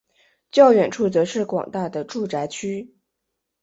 较远处则是广大的住宅区。